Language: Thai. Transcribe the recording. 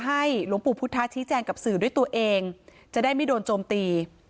หลวงปู่พุทธชี้แจงกับสื่อด้วยตัวเองจะได้ไม่โดนโจมตี